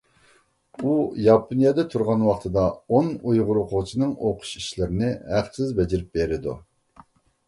ئۇ ياپونىيەدە تۇرغان ۋاقتىدا ئون ئۇيغۇر ئوقۇغۇچىنىڭ ئوقۇش ئىشلىرىنى ھەقسىز بېجىرىپ بېرىدۇ.